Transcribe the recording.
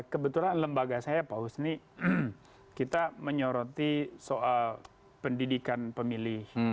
kebetulan lembaga saya pak husni kita menyoroti soal pendidikan pemilih